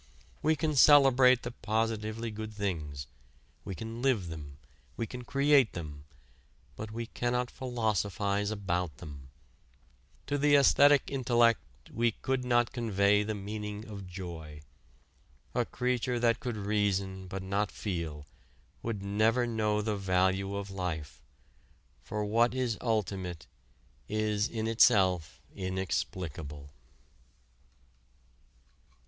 We can celebrate the positively good things, we can live them, we can create them, but we cannot philosophize about them. To the anæsthetic intellect we could not convey the meaning of joy. A creature that could reason but not feel would never know the value of life, for what is ultimate is in itself inexplicable.